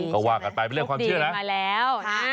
เขาว่ากัดไปเป็นเรื่องความเชื่อแล้ว